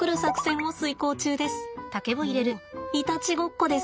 もういたちごっこですね。